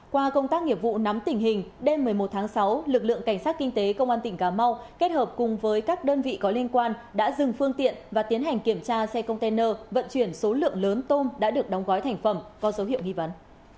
qua công tác nghiệp vụ nắm tình hình đêm một mươi một tháng sáu lực lượng cảnh sát kinh tế công an tỉnh cà mau kết hợp cùng với các đơn vị có liên quan đã dừng phương tiện và tiến hành kiểm tra xe container vận chuyển số lượng lớn tôm đã được đóng gói thành phẩm có dấu hiệu nghi vấn